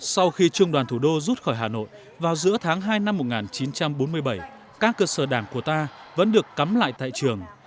sau khi trung đoàn thủ đô rút khỏi hà nội vào giữa tháng hai năm một nghìn chín trăm bốn mươi bảy các cơ sở đảng của ta vẫn được cắm lại tại trường